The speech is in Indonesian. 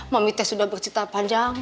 mami teh sudah bercita panjang